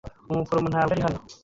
Umuforomo ntabwo ari hano.